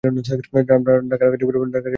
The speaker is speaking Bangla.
ঢাকার গাজীপুরে এর প্রশিক্ষণ কেন্দ্র রয়েছে।